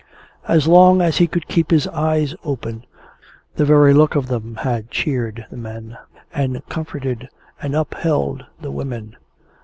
As long as he could keep his eyes open, the very look of them had cheered the men, and comforted and upheld the women.